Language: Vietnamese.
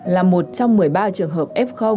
là một trong một mươi ba trường hợp f